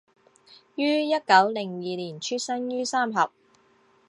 於一九零二年出生于三峡